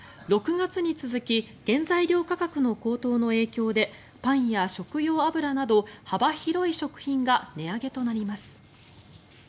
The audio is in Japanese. ６月に続き原材料価格の高騰の影響でパンや食用油など幅広い食品が値上げとなります。